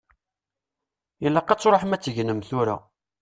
Ilaq ad tṛuḥem ad tegnem tura.